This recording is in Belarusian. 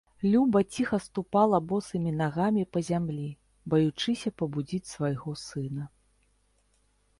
Люба ціха ступала босымі нагамі па зямлі, баючыся пабудзіць свайго сына.